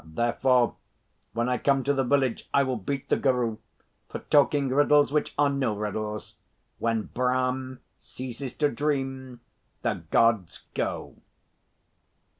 Therefore, when I come to the village I will beat the guru for talking riddles which are no riddles. When Brahm ceases to dream the Gods go."